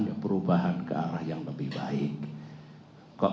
yang lebih baik